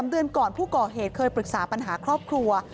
เดือนก่อนผู้ก่อเหตุเคยปรึกษาปัญหาครอบครัว